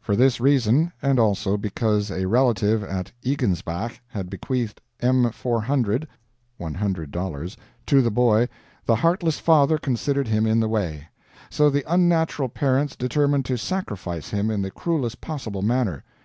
For this reason, and also because a relative at Iggensbach had bequeathed M400 ($100) to the boy, the heartless father considered him in the way; so the unnatural parents determined to sacrifice him in the cruelest possible manner.